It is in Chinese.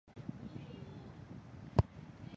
历史上是纽伦堡至布拉格的查理之路的一部份。